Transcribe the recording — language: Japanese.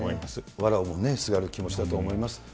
わらをもすがる気持ちだと思います。